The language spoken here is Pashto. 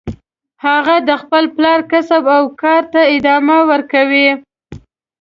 هغه د خپل پلار کسب او کار ته ادامه ورکوي